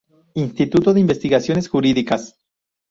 Instituto de Investigaciones Jurídicas.